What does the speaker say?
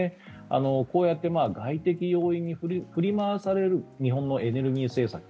こうやって外的要因に振り回される日本のエネルギー政策